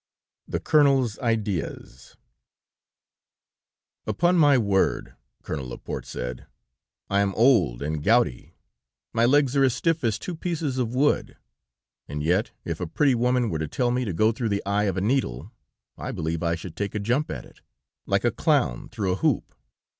THE COLONEL'S IDEAS "Upon my word," Colonel Laporte said, "I am old and gouty, my legs are as stiff as two pieces of wood, and yet if a pretty woman were to tell me to go through the eye of a needle, I believe I should take a jump at it, like a clown through a hoop.